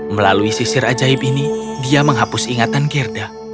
melalui sisir ajaib ini dia menghapus ingatan gerda